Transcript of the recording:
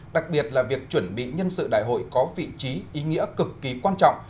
đặc biệt là việc chuẩn bị nhân sự đại hội có vị trí ý nghĩa cực kỳ quan trọng